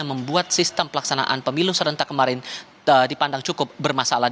membuat sistem pelaksanaan pemilu serentak kemarin dipandang cukup bermasalah